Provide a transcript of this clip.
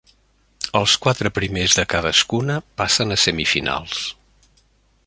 Els quatre primers de cadascuna passen a semifinals.